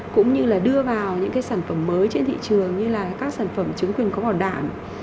cũng như đưa vào những sản phẩm mới trên thị trường như các sản phẩm chứng quyền có bỏ đạn